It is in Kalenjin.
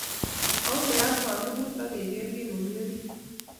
Ongeyat sandukut ak keker kit ne mi orit